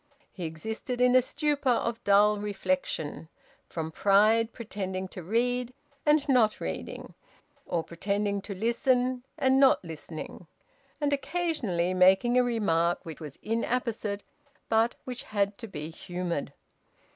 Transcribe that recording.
He existed in a stupor of dull reflection, from pride pretending to read and not reading, or pretending to listen and not listening, and occasionally making a remark which was inapposite but which had to be humoured.